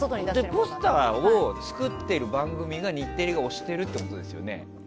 ポスターを作ってる番組を日テレが推してるってことですよね。